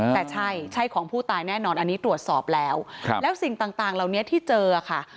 แต่ใช่ใช่ของผู้ตายแน่นอนอันนี้ตรวจสอบแล้วแล้วสิ่งต่างเหล่านี้ที่เจอค่ะ